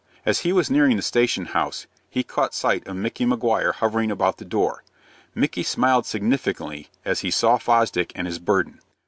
As he was nearing the station house, he caught sight of Micky Maguire hovering about the door. Micky smiled significantly as he saw Fosdick and his burden.